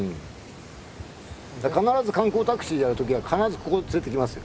必ず観光タクシーやる時は必ずここに連れてきますよ。